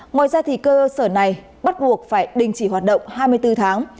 ngoài ra cơ sở này bắt buộc phải đình chỉ hoạt động hai mươi bốn tháng